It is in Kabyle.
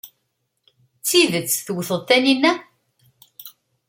D tidet tewteḍ Taninna?